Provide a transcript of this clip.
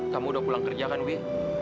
kamu udah pulang kerja kan wi